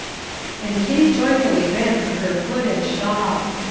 And Kitty joyfully ran for her hood and shawl.